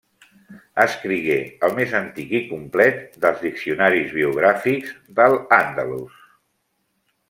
Escrigué el més antic i complet dels diccionaris biogràfics d'al-Àndalus.